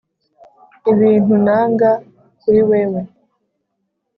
ibintu nanga kuri wewe